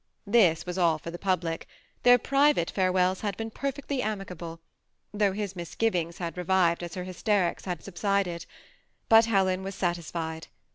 This was all for the public : their private farewells had been perfectly amicable, though his misgivings had revived as her hysterics had mibfiided ; but Helen was satisfied.